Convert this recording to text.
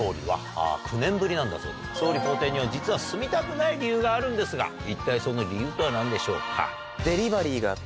総理公邸には実は住みたくない理由があるんですが一体その理由とは何でしょうか？